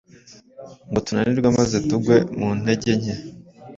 ngo tunanirwe maze tugwe mu ntege nke.